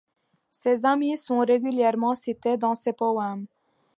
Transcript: Ces amis sont régulièrement cités dans ses poèmes.